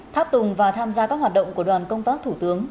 tháp tùng và tham gia các hoạt động của đoàn công tác thủ tướng